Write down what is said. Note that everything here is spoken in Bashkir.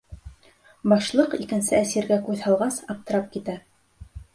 Башлыҡ, икенсе әсиргә күҙ һалғас, аптырап китә.